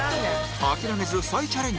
諦めず再チャレンジ